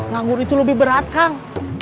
nganggur itu lebih berat kang